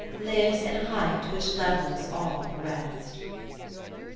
Lives in a height which levels all the rest.